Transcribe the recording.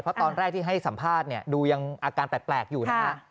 เพราะตอนแรกที่ให้สัมภาษณ์นะดูยังอาการแตกอยู่